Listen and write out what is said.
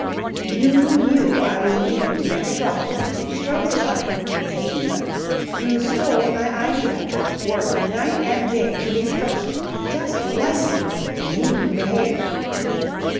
"You knew I was meaning to make a frock with chintz roses on it," said Diva. "You stole my idea. Worked night and day to be first. Just like you. Mean behaviour."